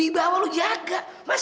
bapak bonan udah sehat